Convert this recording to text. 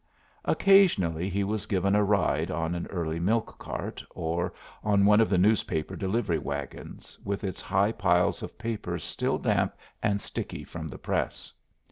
Occasionally he was given a ride on an early milk cart, or on one of the newspaper delivery wagons, with its high piles of papers still damp and sticky from the press.